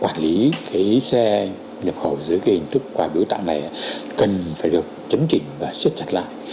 quản lý cái xe nhập khẩu dưới cái hình thức quà biếu tặng này cần phải được chấn chỉnh và siết chặt lại